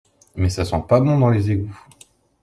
Mais ça sent pas bon dans les égoûts!